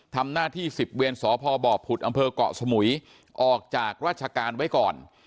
ทำหน้าที่สิบเวียนสพบผุดอเกาะสมุยออกจากราชการไว้ก่อน